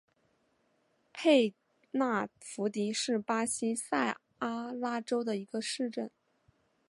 佩纳福蒂是巴西塞阿拉州的一个市镇。